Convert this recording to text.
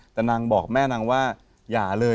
แต่นางบอกแม่นางว่าอย่าเลย